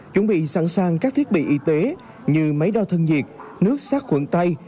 chuẩn bị sẵn sàng các thiết bị y tế như máy đo thân nhiệt nước sát quẩn tay